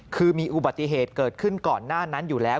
คือมีอุบัติเหตุเกิดขึ้นก่อนหน้านั้นอยู่แล้ว